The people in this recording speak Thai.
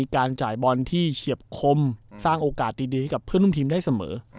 คมสร้างโอกาสดีให้กับเพื่อนร่วมทีมได้เสมอ